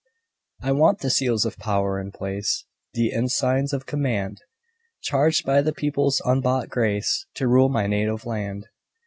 I want the seals of power and place, The ensigns of command; Charged by the People's unbought grace To rule my native land.